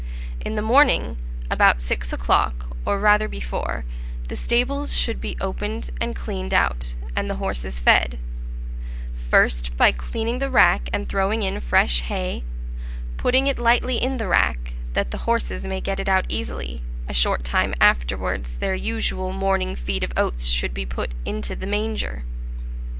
In the morning, about six o'clock, or rather before, the stables should be opened and cleaned out, and the horses fed, first by cleaning the rack and throwing in fresh hay, putting it lightly in the rack, that the horses may get it out easily; a short time afterwards their usual morning feed of oats should be put into the manger.